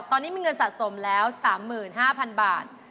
ตอนนี้มีเงินสะสมแล้ว๓๕๐๐๐บาท